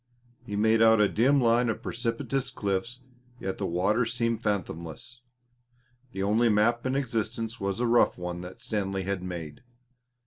He made out a dim line of precipitous cliffs, yet the water seemed fathomless the only map in existence was a rough one that Stanley had made.